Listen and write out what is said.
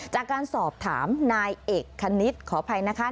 จากการสอบถามนายเอกคณิตขออภัยนะคะ